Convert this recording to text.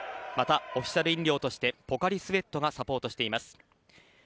また、オフィシャル飲料としてポカリスエットがサポートしています。